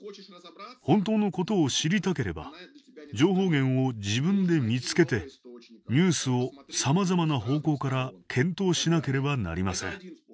本当のことを知りたければ情報源を自分で見つけてニュースをさまざまな方向から検討しなければなりません。